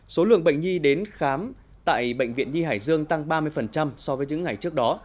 số lượng bệnh nhi đến khám tại bệnh viện nhi hải dương tăng ba mươi so với những ngày trước đó